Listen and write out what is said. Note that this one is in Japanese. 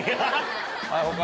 はい他。